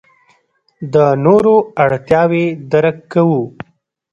د نورو اړتیاوې درک کوو.